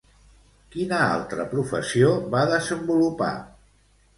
Quina altra professió va desenvolupar?